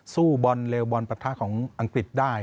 สู้เบาะเรียวบอนประทักษ์ของอังกฤษได้